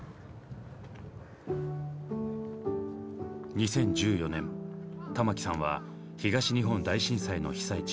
２０１４年玉置さんは東日本大震災の被災地